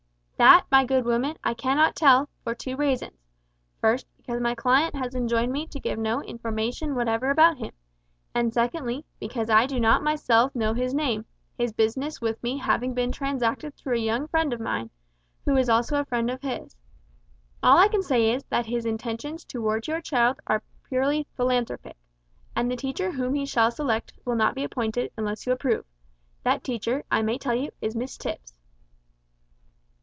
"That, my good woman, I cannot tell, for two reasons; first because my client has enjoined me to give no information whatever about him; and, secondly, because I do not myself know his name, his business with me having been transacted through a young friend of mine, who is also a friend of his. All I can say is, that his intentions towards your child are purely philanthropic, and the teacher whom he shall select will not be appointed, unless you approve. That teacher, I may tell you, is Miss Tipps."